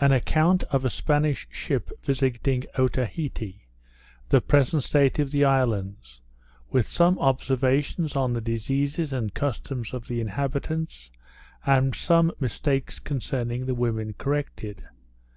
_An Account of a Spanish Ship visiting Otaheite; the present State of the Islands; with some Observations on the Diseases and Customs of the Inhabitants; and some Mistakes concerning the Women corrected.